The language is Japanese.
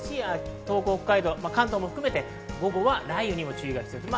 東北、北海道、関東も含めて、午後は雷雨にも注意が必要です。